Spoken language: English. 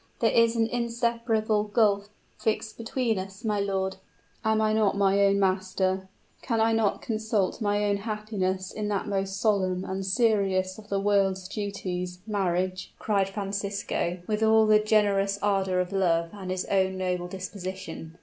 There is an inseparable gulf fixed between us, my lord." "Am I not my own master? Can I not consult my own happiness in that most solemn and serious of the world's duties marriage?" cried Francisco, with all the generous ardor of youth and his own noble disposition.